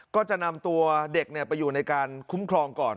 ก็จะนำตัวเด็กไปอยู่ในการคุ้มครองก่อน